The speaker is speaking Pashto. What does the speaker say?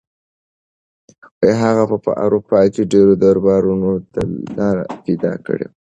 هغه په اروپا کې ډېرو دربارونو ته لاره پیدا کړې وه.